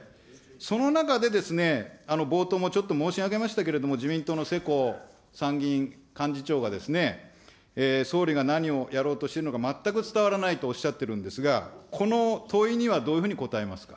その中で、冒頭もちょっと申し上げましたけれども、自民党の世耕参議院幹事長が、総理が何をやろうとしているのか全く伝わらないとおっしゃっているんですが、この問いにはどういうふうに答えますか。